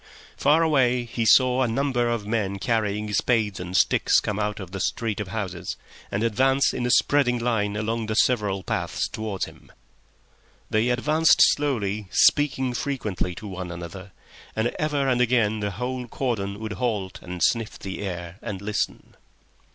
Far away he saw a number of men carrying spades and sticks come out of the street of houses and advance in a spreading line along the several paths towards him. They advanced slowly, speaking frequently to one another, and ever and again the whole cordon would halt and sniff the air and listen.